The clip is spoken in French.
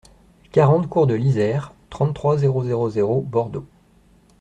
quarante cours de l'Yser, trente-trois, zéro zéro zéro, Bordeaux